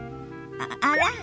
あら？